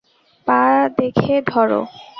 পা দেখে ধরো।